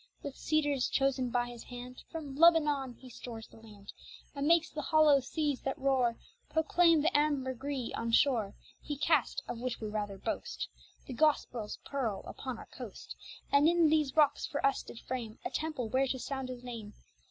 With cedars chosen by His hand From Lebanon He stores the land, And makes the hollow seas that roar Proclaim the ambergris on shore; He cast (of which we rather boast) The Gospel's pearl upon our coast, And in these rocks for us did frame A temple where to sound His name.